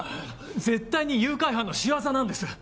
絶対に誘拐犯の仕業なんです！